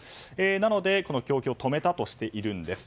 なので、この供給を止めたとしているんです。